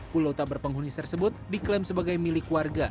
pulau tak berpenghuni tersebut diklaim sebagai milik warga